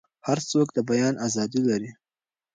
هر څوک د بیان ازادي لري.